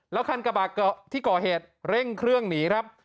แล้วคันกระบาดที่ก่อเหตุเร่งเครื่องหนีครับ